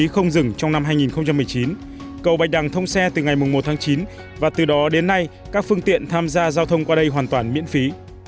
không dừng trong năm hai nghìn một mươi chín cầu bạch đằng thông xe từ ngày một tháng chín và từ đó đến nay các phương tiện tham gia giao thông qua đây hoàn toàn miễn phí